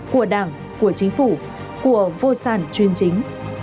của đảng của chính phủ của vô sản chuyên chính